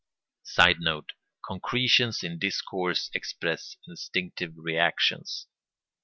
[Sidenote: Concretions in discourse express instinctive reactions.